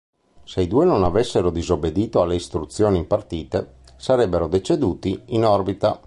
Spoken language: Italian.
Se i due non avessero disobbedito alle istruzioni impartite, sarebbero deceduti in orbita.